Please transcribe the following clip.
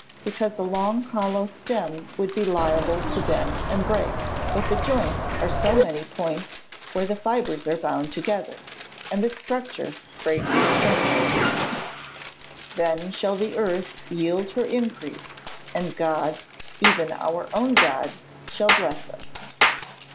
_ Because a long hollow stem would be liable to bend and break. But the joints are so many points where the fibres are bound together, and the structure greatly strengthened. [Verse: "Then shall the earth yield her increase; and God, even our own God, shall bless us."